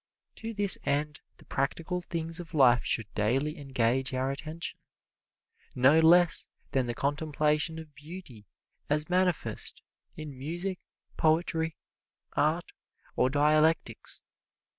To this end the practical things of life should daily engage our attention, no less than the contemplation of beauty as manifest in music, poetry, art or dialectics.